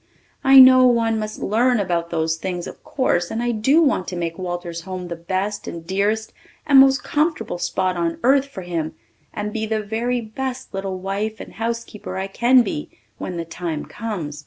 I know one must learn about those things of course and I do want to make Walter's home the best and dearest and most comfortable spot on earth for him and be the very best little wife and housekeeper I can be when the time comes.